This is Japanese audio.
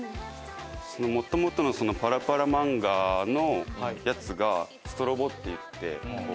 もともとのパラパラ漫画のやつがストロボっていってこう。